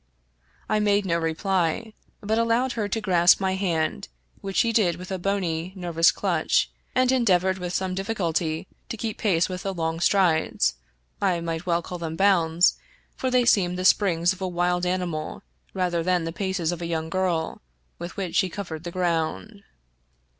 " I made no reply, but allowed her to grasp my hand, which she did with a bony, nervous clutch, and endeavored with some difficulty to keep pace with the long strides — I might well call them bounds, for they seemed the springs of a wild animal rather than the paces of a young girl — with which she covered the ground.